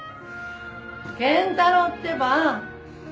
健太郎ってば。